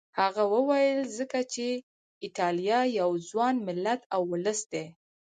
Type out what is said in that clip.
هغه وویل ځکه چې ایټالیا یو ځوان ملت او ولس دی.